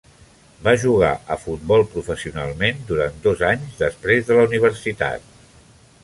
Va jugar a fútbol professionalment durant dos anys després de la universitat.